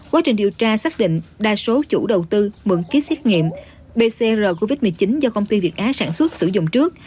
quá trình điều tra xác định đa số chủ đầu tư mượn ký xét nghiệm pcr covid một mươi chín do công ty việt á sản xuất sử dụng trước